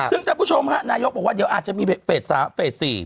ซึ่งท่านผู้ชมฮะนายกบอกว่าเดี๋ยวอาจจะมีเฟส๓เฟส๔